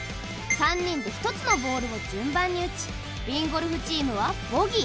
３人で１つのボールを順番に打ちＢＩＮＧＯＬＦチームはボギー。